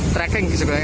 tracking juga ya